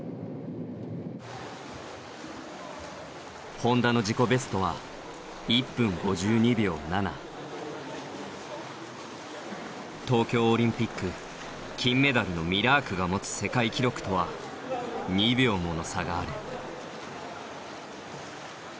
本多の自己ベストは東京オリンピック金メダルのミラークが持つ世界記録とは２秒もの差がある。